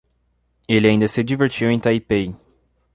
Ela ainda se divertiu em Taipei.